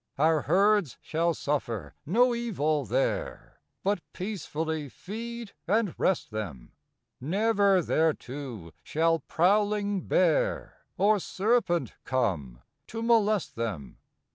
Our herds shall suffer no evil there, But peacefully feed and rest them; Never thereto shall prowling bear Or serpent come to molest them.